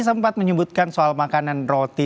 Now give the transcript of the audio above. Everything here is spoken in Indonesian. sempat menyebutkan soal makanan roti